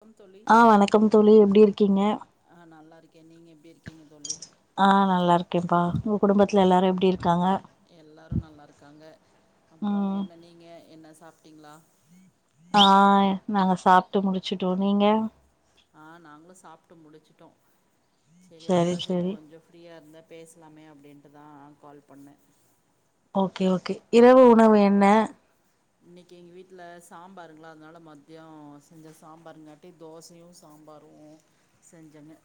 வணக்கம் தோழி ஆ வணக்கம் தோழி எப்டி இருக்கீங்க ஆ நல்லா இருக்கே நீங்க எப்டி இருக்கீங்க தோழி ஆ நல்லா இருக்கேப்பா உங்க குடும்பத்துல எல்லாரு எப்டி இருக்காங்க எல்லாரு நல்லா இருக்காங்க அப்புறோ ம் என்ன நீங்க என்ன சாப்ட்டீங்களா ஆ நாங்க சாப்ட்டு முடிச்சுட்டோ நீங்க ஆ நாங்களு சாப்ட்டு முடிச்சுட்டோ சேரி சரி அதா செரி சரி கொஞ்சொ ஃப்ரியா இருந்தா பேசலாமே அப்டின்ட்டு தா கால் பண்ணே ஓகே ஓகே இரவு உணவு என்ன இன்னைக்கு எங்க வீட்டுல சாம்பாருங்ளா அதனால மத்தியோ செஞ்ச சாம்பருங்காட்டி தோசையு சாம்பாரு செஞ்சனு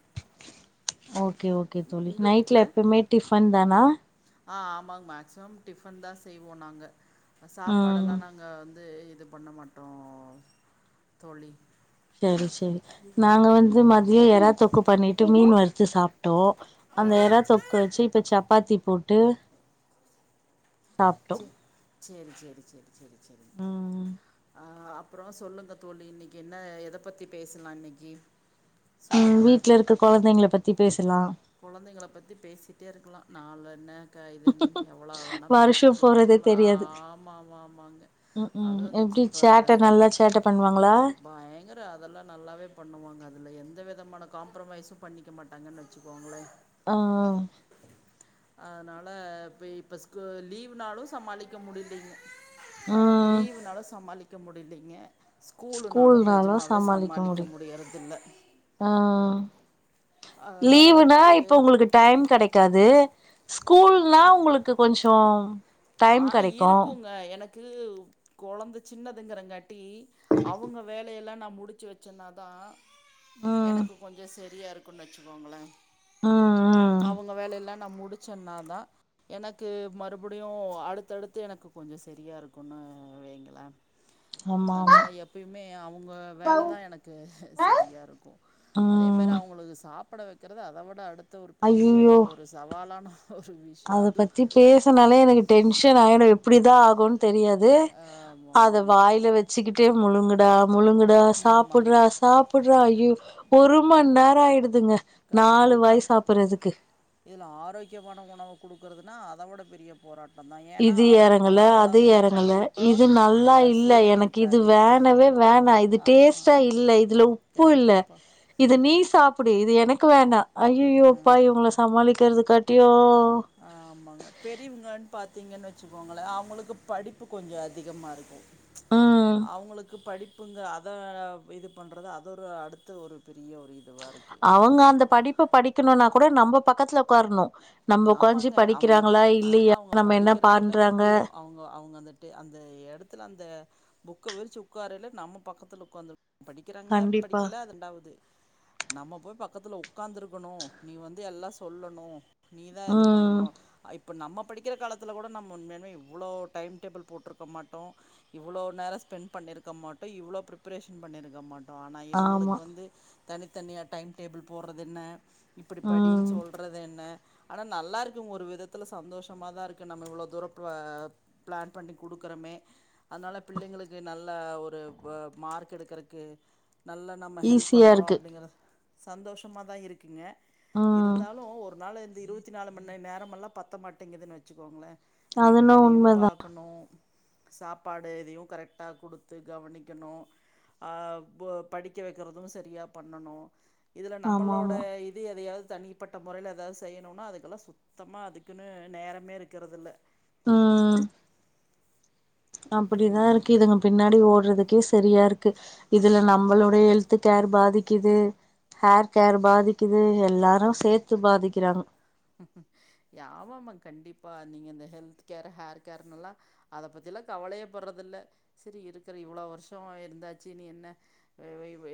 ஓகே ஓகே தோழி உங்க வீட்ல நைட்ல எப்பயுமே டிஃபன் தானா ஆ ஆமாங்க மேக்சிமம் டிஃபன் தா செய்வோ நாங்க ம் சாப்பாடெல்லா நாங்க வந்து இது பண்ண மாட்டோ தோழி சரி சரி நாங்க வந்து மதியோ எறா தோக்கு பண்ணிட்டு மீன் வறுத்து சாப்ட்டோ அந்த எறா தொக்கு. வெச்சு இப்ப சப்பாத்தி போட்டு சாப்ட்டோ செ சேரி சேரி சேரி சேரி சேரிங்க ம் ஆ அப் புறோ சொல்லுங்க தோழி இன்னைக்கு என்ன எத பத்தி பேசலா இன்னைக்கு ம் சொல்லுங்களே வீடல இருக்க கொழந்தைங்களி பத்தி பேசலாம் கொழந்தைங்கள பத்தி பேசிட்டே இருக்கலா நாலு என்ன க இது என்ன எவ்வளோ வேணா பேசி வருஷோ போறதே எதுக்கலா ஆ ஆமா ஆமா ஆமாங்க உம் உம் அதுவு இந்த எப்டி இப்ப சேட்ட நல்லா சேட்ட பண்ணுவாங்களா பயங்கர அதெல்லாம் நல்லாவே பண்ணுவாங்க அதுல எந்த விதமான காம்ப்ரமைசும் பண்ணி க்க மாட்டாங்கன்னு வச்சுக்கோங்களே ஆவ் அதனால இப்ப இப்ப ஸ்கூ லீவ்னாலும் சமாளிக்க முடிலீங்க ம் லீவுனால சமாளிக்க முடிலீங்க ஸ்கூலுனாலும் ஸ்கூல்னாலு நெஜமாவே சமாளிக்க முடியு முடியிறதுல்ல ஆ அதனால் லீவுனா வந்துட்டு இப்ப உங்களுக்கு டைம் கடைக்காது ஸ்கூல்னா உங்களுக்கு கொஞ்சோம் ஆ இருக்குங்க எனக்கு கொழந்த சின்னதுங்கறங்க ட்டிலி அவங்க வேலையெல்லா நா முடிச்சி வச்சன்னா தா ம் எனக்கு கொஞ்சோ சரியா இருக்குன் வச்சுக்கோங்களேன் ம் ம் அவங்க வேலயெல்லா நான் முடி சொன்ன தான் எனக்கு மறுபடியு அடுத்தடுத்து எனக்கு கொஞ்சோ செரியா இருக்கும்னு வேங்கள ஆமா ஆமா அதனால எப்பயுமே அவங்க வேலதான் எனக்கு சரியாருக்கும் அதே ம ம் அவ்ங்களுக்கு சாப்ட வைக்கறது அத விட அடுத்த ஒரு பெரிய ஐயயோ ஒரு சவாலான ஒரு விஷயம் அத அதுவும் பத்தி பேசுனாலே எனகு டென்ஷன் ஆயிடும் எப்படிதான் ஆகும்னு தெரியாது ஆமா, அத ஆமாங்க வாயில வ ச்சிகிட்டே முழுங்குடா முழுங்குடா ஆமாங்க சாப்பட்றா சாப் ட்றா ஐயோ ஒரும நேரம் ஆயிடுதுங்க நாலு வாய் கண்டிப்பாங் சாப்புட்றதுக்கு இதுல ஆரோக்கியமான உணவ குடுக்குறதுனா அதவிட பெரிய போராட்டம் தான் ஏன்னா இது எறங்கல ஆரோக்கியமான அது உணவுல கண்டிப்பா அ சுவை இருக் கிது வேணவே வேணாம் இது டேஸ்ட்டா இல்ல இதுல உப்பு இல்ல கண்டிப்பா. இது நீ சாப் புடு இது எனக்கு வேண்டாம் ஐயய்யோ ஆ. ப்பா இவங்கள சமாளிக்கறதக் காட்டியு ஆமாங்க பெரியவங்க பார்த்திங்கன் வச்சுக்கோங்கள அவங்களுக்கு படிப்பு கொஞ்சோ அதிகமாக இருக்கும் ம் அவங்களுக்கு படிப் புங்க அத இது பண்றது அது ஒரு அடுத்த ஒரு பெரிய ஒரு இ அவங்க அந்த படிப்ப படிக்கணும்னா கூட நம்ம பக்கத்துல உட்காரணு ஆமாங்க அவுங்க அ அவுங்க நம்ம என்ன படிக்கிறாங்களோ பண்றாங்க இல்லையோ அவுங்க அவுங்க அந்த ட்டு அந்த எடத்துல அந்த புக்க விரிச்சு உட்காரல்ல நம்ம பக்கத்துல உட்காந்துருக் படிக்கிறாங்க கண்டிப்பா படிக்கல அது ரெண்டாவ்து நம்ம போய் பக்கத்துல உக்காந்துருக்கணும் நீ வந்து எல்லாம் சொல்லணும் நீதா இது ம் பண்ணணும் இப்போ நம்ம படிக்கிற காலத்துல கூட நம்ம உண்மைய மே இவ்ளோ டைம் டேபிள் போட்ருக்க மாட்டோம் இவ்ளோ நேரம் ஸ்பெண் பண்ணிருக்க மாட்டோ இவ்ளோ பிரிபரேஷன் பண்ணிருக்க மாட் ஆனா ஆமா இவங்களுக்கு வந்து தனித்தனியா டைம் டேபிள் போட்றது என்ன இப்டி படின்னு ம் சொல்றது என்ன ஆனா நல்லா இருக்கும் ஒரு விதத்துல சந்தோஷமாதான் இருக்கு நம்ம இவ்ளோ தூரப்ப பிளான் பண்ணி குடுக்குறமே அதனால பிள்ளைங்களுக்கு நல்ல ஒரு ஒ மார்க் எடுக்குறக்கு நல்ல நம்ம ஹெல்ப் ஈஸியா பண்றோம் இருக்கு அப்டிங்கற சந்தோஷமா தான் இருக்குங்க ம் இருந்தாலும் ஒரு நாளு இருபத்தி நாலு மணி நேரமல்லா பத்த மாட்டேங்குதுன்னு வச்சுக்கோங்களே வீட்டு அதுனா வேலையு உண்மதா பாக் ணும் சாப்பாடு எதயு கரெக்டாக குடுத்து கவனிக்கணு ஆ படிக்க வக்கிறது சரியாக பண்ணணு இதுல ஆமா நம்மளோட ஆமா இது எதையாவது தனிப்பட்ட முறையில எதாவது செய்யணும்னா அதுக்கெல்லா சுத்தமா அதுக்குன்னு நேரமே இருக்கிறதில்ல உ அப்படிதா அதனால இருக்கு இதுங்க பின்னாடி ஓடுறதுக்கே சரியா இருக்கு இதுல ஆமா ஆமா நம்மளோடைய ஹெல்த் சத்து கேர் பாதிக்குது ஹேர் கேர் பாதிக்குது எல்லாரு சேர்த்து பாதிக்கிறாங்க யாவமா கண்டிப்பா நீங்க இந்த ஹெல்த் கேர் ஹேர் கேர்னல்லான அத பத்திலா கவலையே படுறது இல்ல சரி இருக்குற இவ்வளவு வருஷோ இருந்தாச்சு நீ என்ன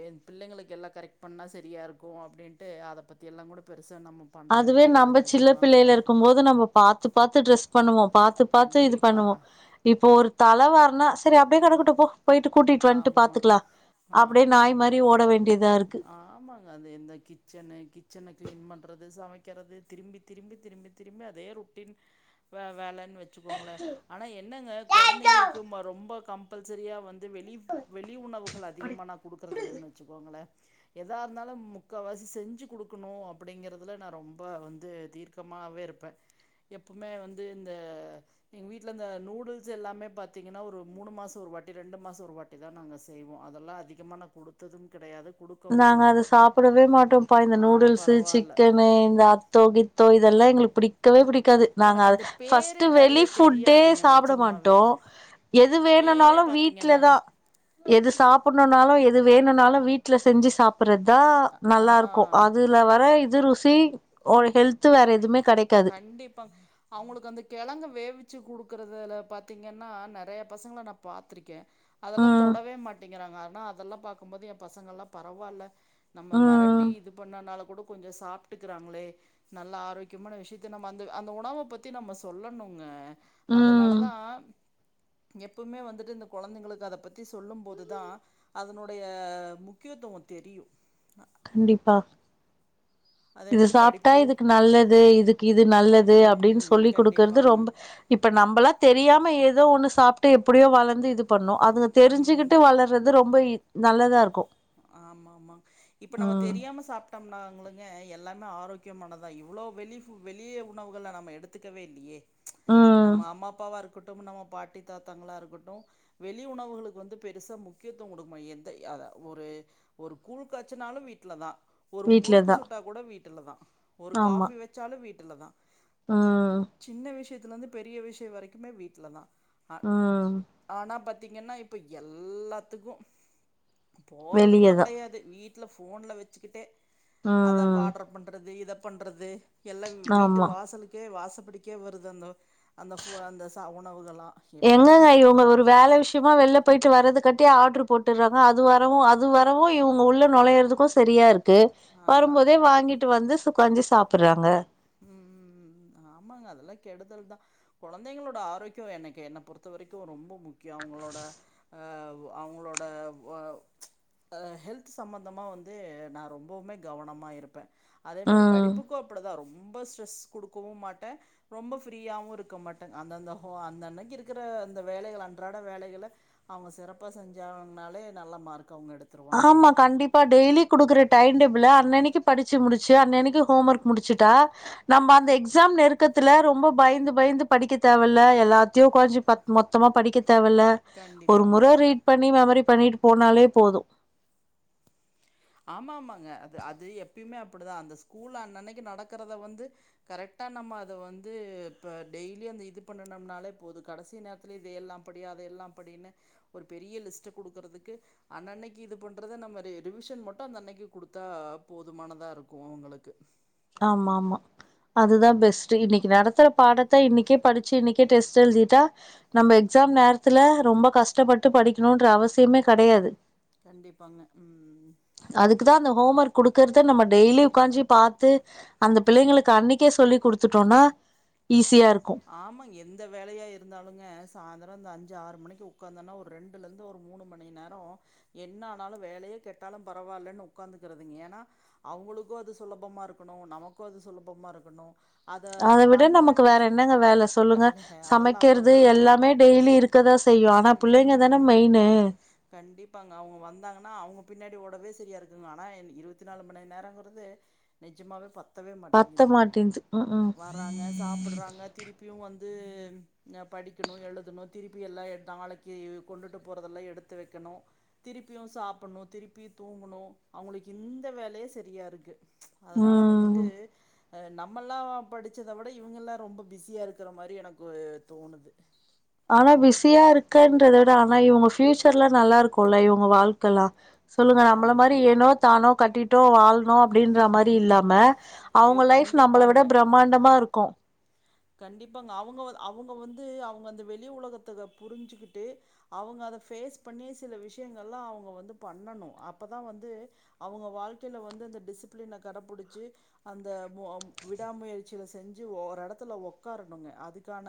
என் பிள்ளைங்களுக்கு எல்லா கரெக்ட் பண்ணா சரியாக இருக்கு அப்டின்ட்டு அதை பத்தியெல்லா கூட பெருசா நம்ம பண்றதுக் இது நம்ம சில்ல பிள்ளைள இருக்குபோது நம்ம பாார்த்து பார்த்து ட்ரெஸ் பண்ணுவோ பாரத்து பார்த்து இது கண்டிப்பா பண்ணுவோ இப்போ ஒரு தல வாருனா சேரி அப்டியே கிடக்கட்டு போ போயிட்டு கூட்டிட்டு வந்துட்டு ஆமா பாத்துக்கலா அப்டியே நாய் ஆமாங்க. மாதிரி ஓட வேண்டியதா இருக்கு ஆமாங்க அந்த எந்த கிச்சனு கிச்சன கிளீன் பண்றது சமைக்கிறது திரும்பி திரும்பி திரும்பி திரும்பி அதே ருட்டின் வே வேலன்னு வச்ச வச்சுகோங்களே ஆனா என்னங்க குழந்தைங்களுக்கு ரொம்ப கம்பல்சரியா வந்து வெளி வெளி உணவுகள் அதிகமா நா குடுக்குறதில இல்லன்னு வச்சுக்கோங்களே எதா இருந்தாலு முக்காவாசி செஞ்சு கொடுக்கணு அப்படிங்கறதுல நா ரொம்ப வந்து தீர்க்க பக்கமாவே இருப்பே எப்பவுமே வந்து இந்த எங்க வீட்டுல இந்த நூடுல்ஸ் எல்லாமே பாத்தீங்கன்னா ஒரு மூணு மாசோ ஒரு வாட்டி ரெண்டு மாசோ ஒரு வாட்டி இத தா நாங்க செய்வோ அதெல்லா அதிகமா நா குடுத்தது கிடையாது நாங்க அது சாப்பிடவே மாட்டோம்ப்பா இந்த ஆ நூடுல்ஸு பரவால்ல சிக்கனு இந்த தோகித்தோ இதெல்லா எங்களுக்கு பிடிக்கவே பிடிக்காது எனக்கு நாங்கள் அந்த பேரே ஃபஸ்ட்டு நெறைய வெளி ஃபுட்டே தெரியாதுங்க சாப்பட நெஜமாவே மாட்டோ எது பேரே வேணுனாலு வீட்ல பாத்தீங்கன்னா தா எது சாப்பிடணும்னாலு. எது வேணும்னாலு வீட்ல செஞ்சு சாப்டுறது தா அ நல்லா இருக்கு ஆ அது துல வர இது ருசி ஒரு ஹெல்து வேற எதுவுமே கெடைக்காது கண்டிப்பா அவங்களுக்கு அந்த கிழங்க வேகவச்சு குடுக்குறதுல பாத்தீங்கன்னா நெறைய பசங்கள நா பாத்துருக்கே அதெல்லா ம் தொடவே மாட்டேங்குறாங்க ஆனா அதெல்லா பாக்குபோது என் பசங்களா எல்லா பரவால்ல நம்ம ம் மிரட்டி இது பண்ணனால கூட கொஞ்சோ சாப்ட்டுக்கிறாங்களே நல்லா ஆரோக்கிய முக்கியமான விஷயத்த நம்ம அந்த அந்த உணவ பத்தி நம்ம சொல்லணுங்க ம் அதனாலதா எப்பவுமே வந்துட்டு இந்த குழந்தைங்களுக்கு அத பத்தி சொல்லு போது தா அதனுடைய முக்கியத்துவோ தெரியு கண்டிப்பா அதே இது மாரி சாப்ட்டா படிப்பு இதுக்கு நல்லது இதுக்கு இது நல்லது அப்டினு ம் சொல்லி குடுக்குறது கண்டிப்பாங்க. ரொம்ப இப்ப நம்மபலா தெரியாம ஏதோ ஒண்ணு சாப்ட்டு எப்டியோ வளந்து இது பண்ணோ அதுங்க ம். தெரிஞ்சுக்கிட்டு வளர் கிறது ரொம்ப நல்லதா இருக்கு ஆமாமா இப்ப நம்ம ம் தெரியாம சாப் ட்டம்னாங்கங்க எல்லாமே ஆரோக்கியமானதா இவ்ளோ வெளி வெளிய உணவுகள நம்ம எடுத்துக்கவே இல்லியே ம் நம்ம அம்மா அப்பாவா இருக்கட்டு நம்ம பாட்டி தாத்தாங்களா இருக்கட்டு வெளி உணவுகளுக்கு வந்து பெருசா முக்கியத்துவ குடுக்க எந்த அதா ஒரு ஒரு கூழ் காச்சுனாலு வீட்ல தா ஒரு முறுக்கு வீட்லதா சுட்டா கூட வீட்டுல தா ஒரு ஆமா காஃபி வெச்சாலு வீட்டுல தா ம் சின்ன விஷயத்துல இருந்து பெரிய விஷயோ வரைக்குமே வீட்ல தா ஆ ம் ஆனா பாத்தீங்கன்னா இப்ப எல்லாத்துக்கு போறது கூட வெளியதா கெடையாது வீட்ல ஃபோன்ல வச்சுக்கிட்டே அத ம் பாடுறத் பண்றது இத பண்றது எல்லா வீட்டு ஆமா வாசலுக்கு க்கே வாசப்படிக்கே வருது அந்த அந்த ப அந்த ச உணவுகள்லா எப்டிதா எங்கங்க இவங்க இருக்குமோ ஒரு வேல விஷயமா வெள்ல போய்ட்டு வர்றதுக்காட்டியு ஆர்டரு போட்டுறாங்க அது வரவு அது வரவு இவங்க உள்ள நுழையிறதுக்கு சரியா இருக்கு து ஆ வரும்போதே வாங்கிட்டு வந்து சுக்காஞ்சி சாப்டுறாங்க ம் ம் ம் ஆமாங்க அதெல்லா கெடுதல் தா கொழந்தைங்களோட ஆரோக்கிய எனக்கு என்ன பொறுத்த வரைக்கு ரொம்ப முக்கிய அவுங்களோட ஆ அவுங்களோட ஹெல்த் சம்பந்தமாக வந்து நா ரொம்பவுமே கவனமா இருப்ப அதே மாரி ம் படிப்புக்கு அப்டிதா ரொம்ப ஸ்ட்ரெஸ் குடுக்கவு மாட்ட ரொம்ப ஃப்ரீயாவு இருக்க மாட்ட அந்தந்த ஆ அந்த அன்னைக்கு இருக்கிற அந்த வேலைகள் அன்றாட வேலைகள அவங்க சிறப்பா செஞ்சாங்கனாலே நல்ல மார்க் அவங்க எடுத் ஆமா கண்டிப் இப்ப டெய்லி குடுக்குற டைம் டேபிள அன்னன்னைக்கி படிச்சு முடிச்சு அன்னன்னைக்கி ஹோம் ஒர்க் முடிச்சுட்டா நம்ம அந்த எக்ஸாம் நெருக்கத்துல ரொம்ப பயந்து பயந்து படிக்க தேவல்ல எல்லாத்தையு உக்காஞ்சி பத் மொத்தமா படிக்க தேவல்ல ஒரு கண்டிப்பாங்க முற ரீட் பண்ணி மெமரி பண்ணிட்டு போனாலே போது ஆமாமாங்க அது அது எப்பயுமே அப்படிதா அந்த ஸ்கூல் அன்னன்னைக்கு நடக்கறத வந்து கரெக்டா நம்ம அத வந்து இப்ப டெய்லி அந்த இது பண்ணுனம்னாலே போது கடைசி நேர ல இது எல்லா படி அது எல்லா படின்னு ஒரு பெரிய லிஸ்ட்டு குடுக்குறதுக்கு அன்னன்னைக்கு இது பண்றத நம்ம ரி ரிவிஷன் மட் டு அந்தன்னைக்கு குடுத்தா போதுமானதா இருக்கு அவங்களுக்கு ஆமா மா அதுதா பெஸ்ட்டு இன்னைக்கி நடத்துற பாடத்த இன்னைக்கே படிச்சு இன்னைக்கே டெஸ்ட் எழுதிட்டா நம்ம எக்ஸாம் நேரத்துல ரொம்ப கஷ்டப்பட்டு படிக்கணுன்ற அவசியமே கெடையாது கண்டிப்பாங்க ம் அதுக்குதா அந்த ஹோம் ஒர்க் குடுக்கறத நம்ம டெய்லி உக்காஞ்சி பாத்து அந்த பிள்ளைங்களுக்கு அன்னைக்கே சொல்லி் குடுத்துட்டோன்னா ஈஸியா இருக்கு ஆமா எந்த வேலையா இருந்தாலுங்க சாந்தரோ இந்த அஞ்சு ஆறு மணிக்கு உக்காந்தன்னா ஒரு ரெண்டு லந்துலருந்து ஒரு மூணு மணி நேரோ என்ன ஆனாலு வேலையே கெட்டாலு பரவால்லன் உக்காந்துக்குறதுங்க ஏனா அவங்களுக்கு அது சுலபமா இருக்கணு நமக்கு அது சுலபமா இருக்கணு அத விட நமக்கு வேற என்னங்க வேல சொ க சொல்லுங்க வே- அதெல்லாம் சமைக்கிறது அப்படிதான் எல்லாமே டெய்லி இருக்கதா செய்யு ஆனா பிள்ளைங்க தான ம் மெய்னு கண்டிப்பாங்க அவங்க வந்தாங்கன்னா அவங்க பின்னாடி ஓடவே சரியா இருக்குங்க ஆனா என் இருவத்தி நாலு மணி நேரங்கிறது நெஜமாவே பத்தவே பத்த மாட்டேங்குது மாட்டேன்து ம் ம் வர்றாங்க சாப்ட்றாங்க திருப்பியு வந்து நா படிக்கணு எழுதணு திருப்பி எல்லா எ நாளைக்கு கொண்டுட்டு போறதெல்லா எடுத் த்து வக்கணு திருப்பியு சாப்பிட்ணு திருப்பியு தூங்கணு அவங்களுக்கு இந்த வேலையே சரியா இருக்கு அதனால வந்துட்டு ம் அ நம்மல்லா படிச்சத விட இவ்ங்கெல்லா ரொம்ப பிஸியா இருக்கிற மாரி எனக்கு தோணுது ஆனா பிஸியா இருக்கன்றத விட ஆனா இவங்க ஃபியூச்சர்லா நல்லா இருக்குல்ல இவுங்க வாழ்க்கல்லா சொல்லுங்க நம்மள கண்டிப்பா மாரி ஏனோ தானோ கட்டிட்டோ வாழ்னோ அப்டின்ற மாரி இல்லாம ஐயோ அவுங்க லைஃப் நம்மள விட கண்டிப்பாங்க பிரமாண்டமா இருக்கு கண்டிப்பாங்க அவுங்க அவுங்க வந்து அவுங்க அந்த வெளி உலகத்தத புரிஞ்சுக்கிட்டு அவுங்க அத ஃபேஸ் பண்ணி சில விஷ்யங்கள்லா அவுங்க வந்து பண்ணணு அப்பதா வந்து அவுங்க வாழ்க்கைல வந்து அந்த டிசிப்ளின கடப்புடிச்சு அந்த மு அ விடாமுயற்சில செஞ்சு ஓர் எடத்துல உக்காரணுங்க அதுக்கான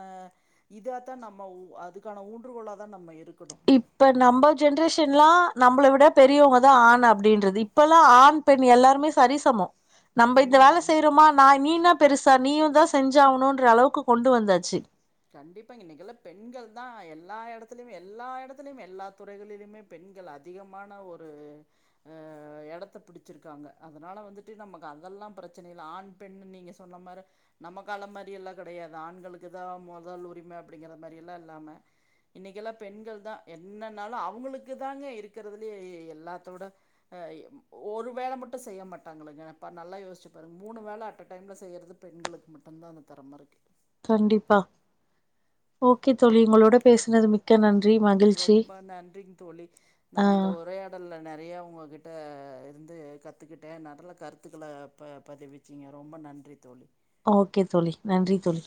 இதாத்தா நம்ம உ அதுக்கான ஊன்றுக்கோலாதா நம்ம இருக்கணு இப்ப நம்ப ஜென்ரேஷன்லா நம்பள விட பெரியவங்கதா ஆண் அப்டின்றது இப்பல்லா ஆண் பெண் எல்லாருமே சரிசமோ நம்ப இந்த வேல ம். செய்யறோமா நா நீ இன்னா பெருசா நீயுதா செஞ்சாவணுன்ற அளவுக்கு கொண்டு வந்தாச்சு கண்டிப்பா இன்னைக்கெல்ல பெண்கள்தா எல்லா எடத்துலிமே எல்லா எடத்துலிமே எல்லா துறைகளிலிமே பெண்கள் அதிகமான ஒரு அ எடத்த பிடிச்சிருக்காங்க அதனால வந்துட்டு நமக்கு அதெல்லா ப்ரெச்சன இல்ல ஆண் பெண்னு நீங்க சொன்ன மார நம்ம காலோ மாரி எல்லா கடையாது ஆண்களுக்குதா மொதல் உரிம அப்டிங்கிற மாரி எல்லா இல்லாம இன்னைக்கெல்லா பெண்கள்தா என்னனாலு அவுங்களுக்குதாங்க இருக்கறதுலே எல்லாத்தோட அ இ ஒரு வேல மட்டு செய்ய மாட்டாங்க இல்லங்க அப்ப நல்லா யோஸ்ச்சு பாருங் மூணு வேல அட்ட டைம்ல செய்யறது பெண்களுக்கு மட்டுந்தா அந்த தெறம இருக்கு கண்டிப்பா ஓகே தோழி உங்களோட பேசுனது மிக் க நன்றி மகி ரொம்ப நன்றிங் தோழி நா இந்த ஆஹ் உரையா டல்ல நெறைய உங்ககிட்ட இருந்து கத்துக்கிட்டே நல்ல கருத்துக்கள ப பதிவி ச்சிங்க ரொம்ப நன்றி தோழி ஓகே தோழி நன்றி தோழி